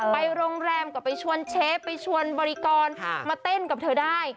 ไปโรงแรมก็ไปชวนเชฟไปชวนบริกรมาเต้นกับเธอได้